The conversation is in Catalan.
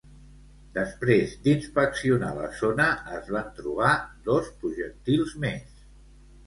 Després d'inspeccionar la zona, es van trobar dos projectils més.